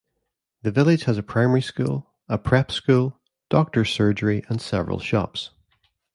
The village has a primary school, a prep school, doctors' surgery and several shops.